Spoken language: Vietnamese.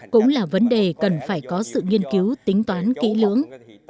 cũng là vấn đề cần phải có sự nghiên cứu tính toán kỹ lưỡng